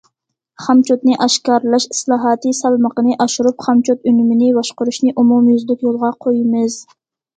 خامچوتنى ئاشكارىلاش ئىسلاھاتى سالمىقىنى ئاشۇرۇپ، خامچوت ئۈنۈمىنى باشقۇرۇشنى ئومۇميۈزلۈك يولغا قويىمىز.